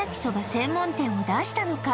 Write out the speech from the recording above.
専門店を出したのか？